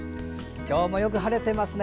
今日もよく晴れていますね。